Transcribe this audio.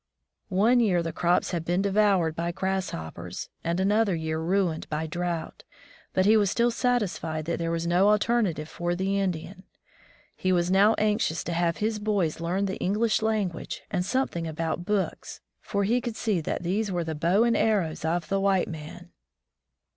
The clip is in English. One year the crops had been devoured by grasshoppers, and another year ruined by drought. But he was still satisfied that there was no alternative for the Indian. He was now anxious to have his boys learn the English language and some thing about books, for he could see that these were the "bow and arrows'* of the white man.